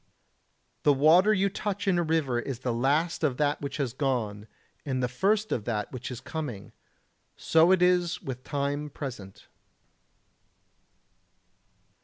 98. The water you touch in a river is the last of that which has gone, and the first of that which is coming: so it is with time present.